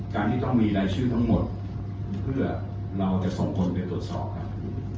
การที่ต้องมีรายชื่อทั้งหมดเพื่อเราจะส่งคนไปตรวจสอบกัน